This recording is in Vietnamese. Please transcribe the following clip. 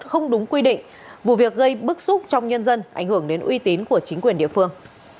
không đúng quy định vụ việc gây bức xúc trong nhân dân ảnh hưởng đến uy tín của chính quyền địa phương